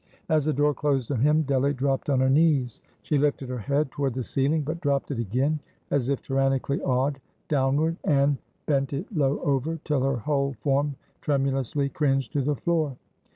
As the door closed on him, Delly dropped on her knees. She lifted her head toward the ceiling, but dropped it again, as if tyrannically awed downward, and bent it low over, till her whole form tremulously cringed to the floor.